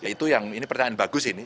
ini pertanyaan bagus ini